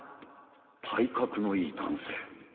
体格のいい男性。